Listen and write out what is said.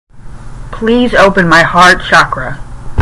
Please open my heart chakra.